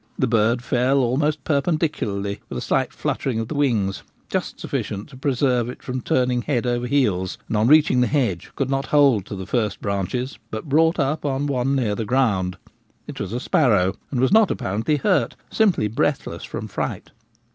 The bird fell almost perpendicularly, with a slight fluttering of the wings, just sufficient to preserve it from turning head over heels, and on reaching the hedge could not hold to the first branches, but brought up on one near the ground. It was a sparrow, and was not appar ently hurt — simply breathless from fright.